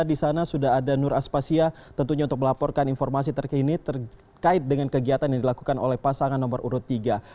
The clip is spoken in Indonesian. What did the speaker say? di sana sudah ada nur aspasya tentunya untuk melaporkan informasi terkini terkait dengan kegiatan yang dilakukan oleh pasangan nomor urut tiga